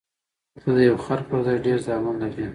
ته د یو خر پر ځای ډېر زامن لرې.